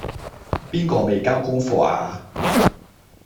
邊個未交功課呀?